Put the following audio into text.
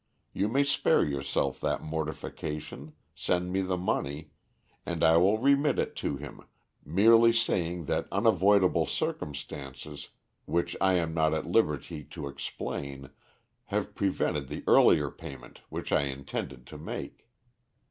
You may spare yourself that mortification, send me the money, and I will remit it to him, merely saying that unavoidable circumstances which I am not at liberty to explain have prevented the earlier payment which I intended to make.